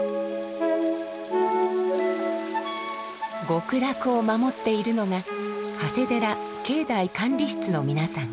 極楽を守っているのが長谷寺境内管理室の皆さん。